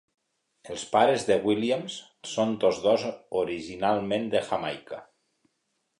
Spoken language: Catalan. Els pares de Williams són tots dos originalment de Jamaica.